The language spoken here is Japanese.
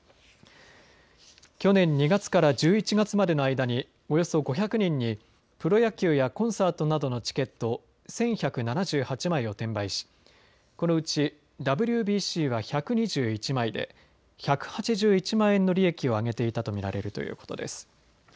去年２月から１１月までの間におよそ５００人にプロ野球やコンサートなどのチケット１１７８枚を転売し、このうちＷＢＣは１２１枚で１８１万円の利益を上げていたと見られるということです。